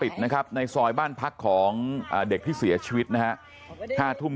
ติดนะครับในซอยบ้านพักของเด็กที่เสียชีวิตนะฮะ๕ทุ่ม